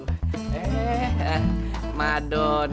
eh eh madone